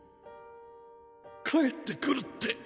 帰ってくるって。